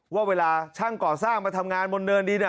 ว่าเวลาช่างก่อสร้างมาทำงานบนเนินดิน